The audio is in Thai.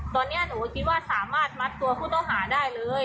ตอนนี้หนูคิดว่าสามารถมัดตัวผู้ต้องหาได้เลย